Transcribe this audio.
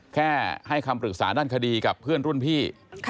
แค่ให้คำปรึกษานั้นคดีกับเพื่อนร่วมพี่